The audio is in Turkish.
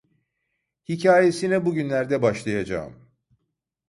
Hikâyesine bu günlerde başlayacağım.